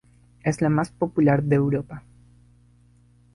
Es la más popular de Europa.